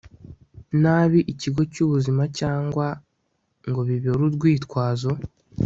nabi ikigo cyubuzima cyangwa ngo bibere urwitwazo